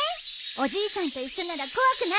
おじいさんと一緒なら怖くないね！